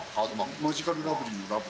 マヂカルラブリーのラブ。